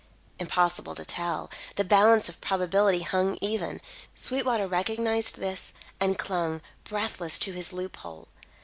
Impossible to tell. The balance of probability hung even. Sweetwater recognised this, and clung, breathless, to his loop hole.